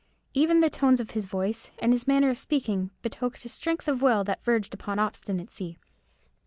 Even the tones of his voice, and his manner of speaking, betokened a strength of will that verged upon obstinacy.